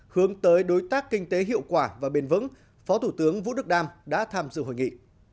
hướng tới đối tác kinh tế hiệu quả và bền vững phó thủ tướng vũ đức đam đã tham dự hội nghị